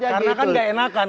karena kan gak enakan kan